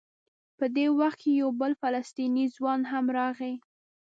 په دې وخت کې یو بل فلسطینی ځوان هم راغی.